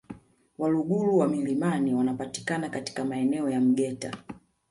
Waluguru wa milimani wanapatikana katika maeneo ya Mgeta